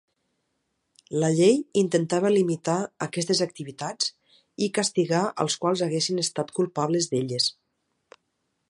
La Llei intentava limitar aquestes activitats i castigar als quals haguessin estat culpables d'elles.